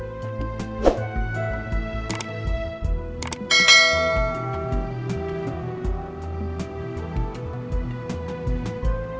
saya juga ingin mencoba